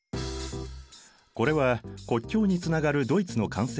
これは国境につながるドイツの幹線道路。